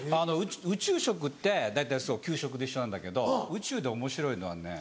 宇宙食って大体そう給食と一緒なんだけど宇宙でおもしろいのはね